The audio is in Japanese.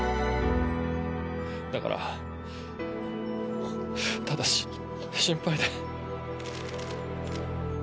だからただ心配で。